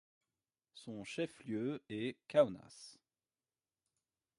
Son chef-lieu est Kaunas.